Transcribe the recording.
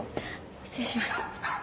失礼します。